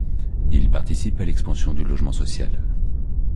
Il participe à l'expansion du logement social.